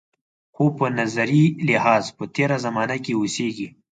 خو په نظري لحاظ په تېره زمانه کې اوسېږي.